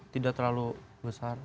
tidak terlalu besar